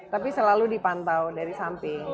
tapi selalu dipantau dari samping